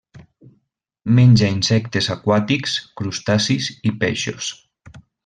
Menja insectes aquàtics, crustacis i peixos.